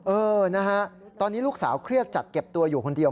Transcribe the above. เออนะฮะตอนนี้ลูกสาวเครียดจัดเก็บตัวอยู่คนเดียว